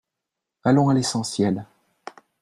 Allons à l’essentiel.